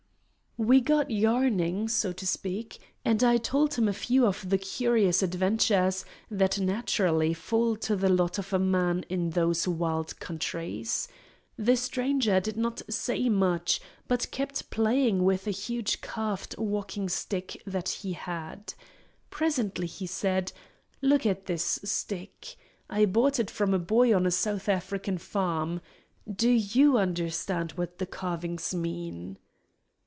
We got yarning, so to speak, and I told him a few of the curious adventures that naturally fall to the lot of a man in those wild countries. The Stranger did not say much, but kept playing with a huge carved walking stick that he had. Presently he said, "Look at this stick; I bought it from a boy on a South African Farm. Do you understand what the carvings mean?"